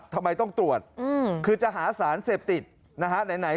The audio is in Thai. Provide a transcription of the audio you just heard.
ทำไมต้องตรวจคือจะหาสารเสพติดนะฮะไหน